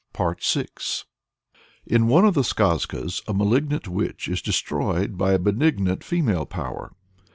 ] In one of the skazkas a malignant witch is destroyed by a benignant female power.